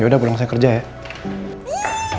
yaudah gue langsung kerja ya